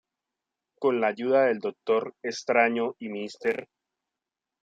Con la ayuda del Doctor Extraño y Mr.